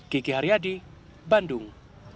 kiki haryadi bandung